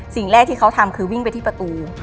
สิ่งแรกที่เขาทำคือวิ่งไปที่ประตู